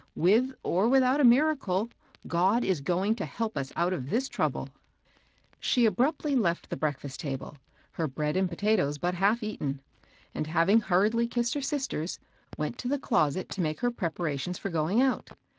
With or without a miracle, God is going to help us out of this trouble." She abruptly left the breakfast table, her bread and potatoes but half eaten ; and having hurriedly kissed her sisters, went to the closet to make her preparations for going out.